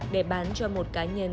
để bán cho một cá nhân